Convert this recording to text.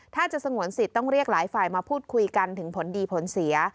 ถ้าจะสงวนสิทธิ์ต้องเรียกหลายฝ่ายมาพูดคุยกันถึงผลดีผลเสีย